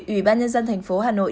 ủy ban nhân dân thành phố hà nội